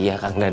iya kang dadang